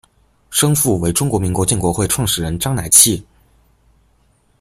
生父为中国民主建国会创始人章乃器。